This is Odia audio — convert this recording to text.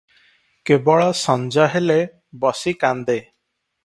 କେବଳ ସଞ୍ଜ ହେଲେ ବସି କାନ୍ଦେ ।